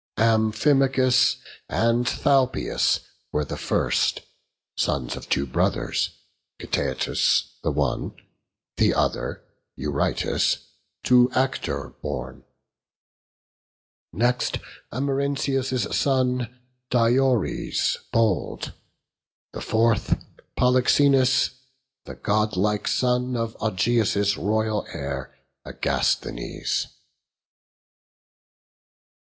Amphimachus and Thalpius were the first, Sons of two brothers, Cteatus the one, The other Eurytus, to Actor born; Next Amarynceus' son, Diores bold; The fourth Polyxenus, the godlike son Of Augeas' royal heir, Agasthenes.